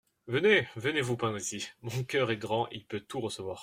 Venez, venez vous plaindre ici ! mon cœur est grand, il peut tout recevoir.